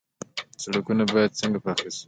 سړکونه باید څنګه پاخه شي؟